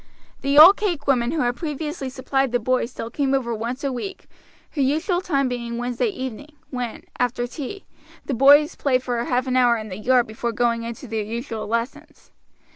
The old cake woman who had previously supplied the boys still came once a week, her usual time being Wednesday evening, when, after tea, the boys played for half an hour in the yard before going in to their usual lessons.